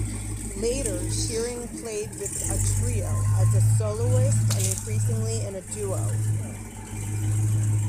Later, Shearing played with a trio, as a soloist and increasingly in a duo.